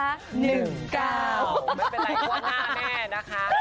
ไม่เป็นไรเพราะว่าหน้าแม่นะคะ